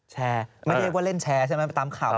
ไม่ได้ว่าเล่นแชร์ใช่ไหมไปตามข่าว